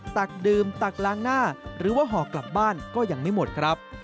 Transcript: ตักดื่มตักล้างหน้าหรือว่าห่อกลับบ้านก็ยังไม่หมดครับ